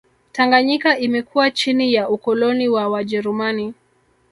Tanganyika imekuwa chini ya ukoloni wa wajerumani